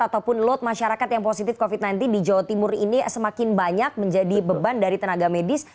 ataupun load masyarakat yang positif covid sembilan belas di jawa timur ini semakin banyak menjadi beban dari tenaga medis